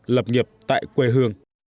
lập nghiệp tại quê hương